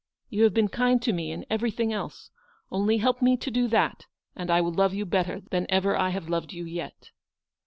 You have been kind to me in everything else. Only help me to do that and I will love you better than ever I have loved you yet."